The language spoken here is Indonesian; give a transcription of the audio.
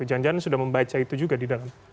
jangan jangan sudah membaca itu juga di dalam